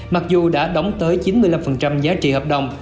mặc dù đã đóng tới chín mươi năm giá trị hợp đồng